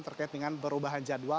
terkait dengan perubahan jadwal